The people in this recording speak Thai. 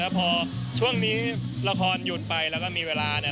พอช่วงนี้ละครหยุดไปแล้วก็มีเวลาเนี่ย